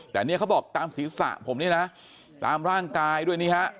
แต่เนี่ยเขาบอกตามศีรษะผมเนี่ยนะตามร่างกายด้วยนี่ฮะ